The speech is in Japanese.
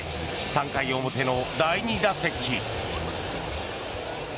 ３回表の第２打席。